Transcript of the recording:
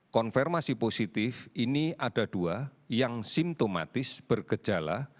konfirmasi positif ini ada dua yang simptomatis berkejala